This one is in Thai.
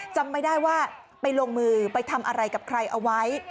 จำไม่ได้ว่าไปลงมือไปทำอะไรกับใครเอาไว้